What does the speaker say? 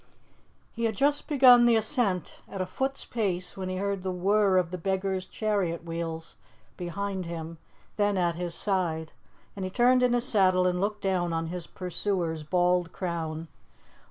He had just begun the ascent at a foot's pace when he heard the whirr of the beggar's chariot wheels behind him, then at his side, and he turned in his saddle and looked down on his pursuer's bald crown.